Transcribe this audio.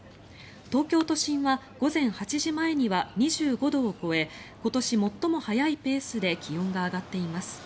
東京都心は午前８時前には２５度を超え今年最も早いペースで気温が上がっています。